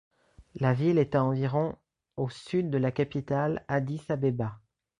La ville est à environ au sud de la capitale Addis-Abeba.